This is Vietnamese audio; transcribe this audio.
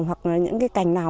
hoặc những cái cành nào